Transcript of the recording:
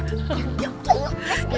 yuk yuk yuk